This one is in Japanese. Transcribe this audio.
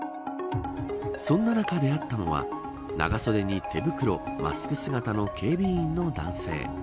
そんな中、出会ったのは長袖に手袋、マスク姿の警備員の男性。